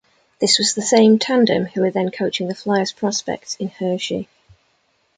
This was the same tandem who were then coaching the Flyers' prospects in Hershey.